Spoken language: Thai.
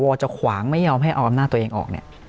ศวจะขวางไม่ให้เอาอำนาจตัวอีกออกเนี่ย